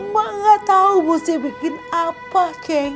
mak gak tahu mau saya bikin apa ceng